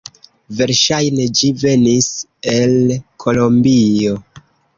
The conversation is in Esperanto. Verŝajne ĝi venis el Kolombio.